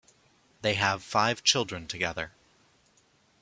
They have five children together.